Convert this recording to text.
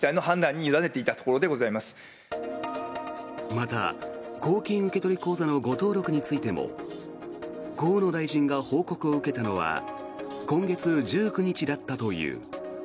また公金受取口座の誤登録についても河野大臣が報告を受けたのは今月１９日だったという。